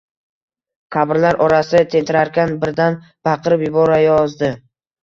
Qabrlar orasida tentirarkan, birdan baqirib yuborayozdi